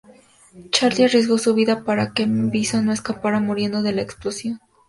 Charlie arriesgó su vida para que M. Bison no escapara, muriendo en la explosión.